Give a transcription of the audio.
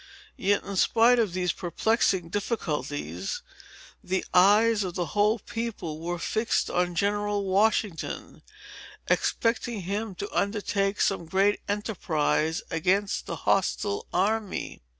Yet, in spite of these perplexing difficulties, the eyes of the whole people were fixed on General Washington, expecting him to undertake some great enterprise against the hostile army.